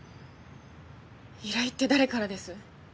依頼って誰からです？